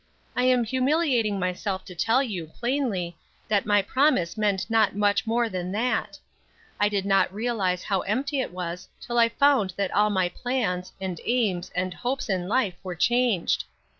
I am humiliating myself to tell you, plainly, that my promise meant not much more than that. I did not realize how empty it was till I found that all my plans, and aims, and hopes in life were changed.